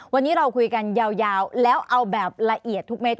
วันนี้เราคุยกันยาวแล้วเอาแบบละเอียดทุกเม็ด